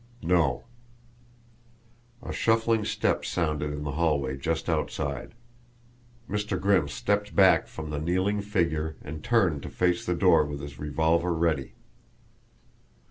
"No." A shuffling step sounded in the hallway just outside. Mr. Grimm stepped back from the kneeling figure, and turned to face the door with his revolver ready.